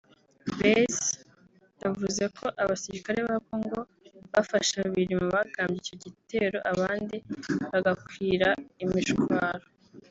Basse yavuze ko abasirikare ba Congo bafashe babiri mu bagabye icyo gitero abandi bagakwira imishwaro